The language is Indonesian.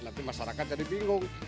nanti masyarakat jadi bingung